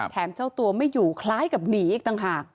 เจ้าตัวไม่อยู่คล้ายกับหนีอีกต่างหาก